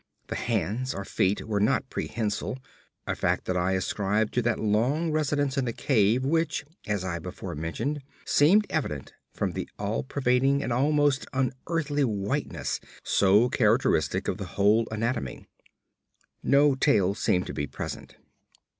The hands or feet were not prehensile, a fact that I ascribed to that long residence in the cave which, as I before mentioned, seemed evident from the all pervading and almost unearthly whiteness so characteristic of the whole anatomy. No tail seemed to be present.